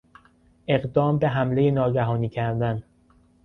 اقدام به حملهی ناگهانی کردن